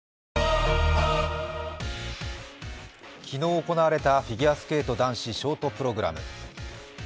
昨日行われたフィギュアスケート男子ショートプログラム。